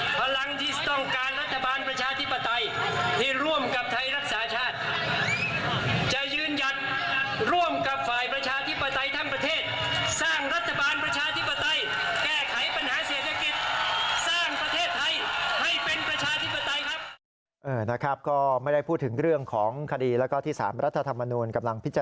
พลังฝ่ายประชาธิปไตยพลังที่ต้องการรัฐบาลประชาธิปไตย